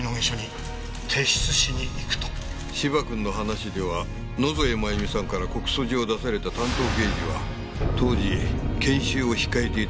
芝君の話では野添真由美さんから告訴状を出された担当刑事は当時研修を控えていたらしい。